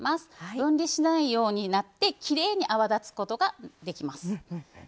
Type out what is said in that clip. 分離しないようになってきれいに泡立つことができます。